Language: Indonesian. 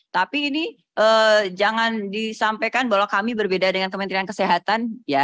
tapi ini jangan disampaikan bahwa kami berbeda dengan kementerian kesehatan